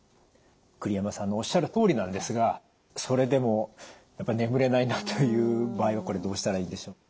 栗山さんのおっしゃるとおりなんですがそれでも眠れないなという場合はこれどうしたらいいでしょう？